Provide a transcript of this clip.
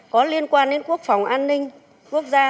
có liên quan đến quốc phòng an ninh quốc gia